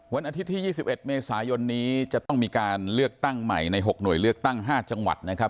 วันอาทิตย์ที่๒๑เมษายนนี้จะต้องมีการเลือกตั้งใหม่ใน๖หน่วยเลือกตั้ง๕จังหวัดนะครับ